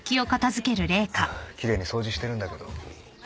ハァ奇麗に掃除してるんだけど。